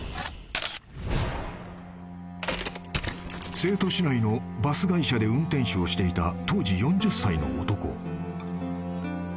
［成都市内のバス会社で運転手をしていた当時４０歳の男］